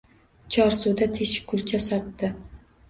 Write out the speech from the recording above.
Chorsuda teshikkulcha sotdi